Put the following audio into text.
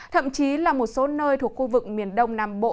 thậm chí là một số nơi thuộc khu vực miền đông nam bộ